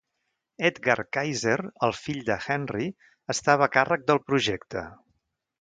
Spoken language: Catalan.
Edgar Kaiser, el fill de Henry, estava a càrrec del projecte.